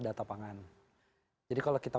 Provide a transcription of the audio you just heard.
data pangan jadi kalau kita